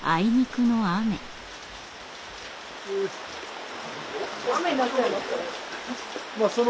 雨になっちゃいましたね。